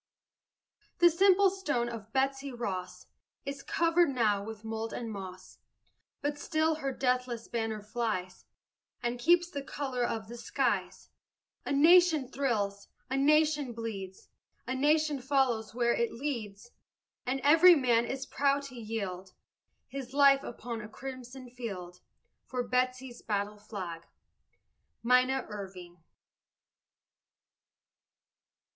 The simple stone of Betsy Ross Is covered now with mold and moss, But still her deathless banner flies, And keeps the color of the skies. A nation thrills, a nation bleeds, A nation follows where it leads, And every man is proud to yield His life upon a crimson field For Betsy's battle flag! MINNA IRVING.